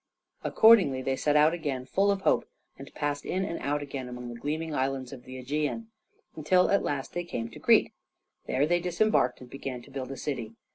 Accordingly they set out again full of hope, and passed in and out again among the gleaming islands of the Ægean, till at last they came to Crete. There they disembarked, and began to build a city.